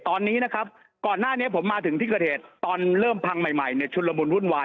ตอนนี้นะครับก่อนหน้านี้ผมมาถึงที่เกิดเหตุตอนเริ่มพังใหม่เนี่ยชุดละมุนวุ่นวาย